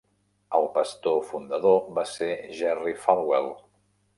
El pastor fundador va ser Jerry Falwell.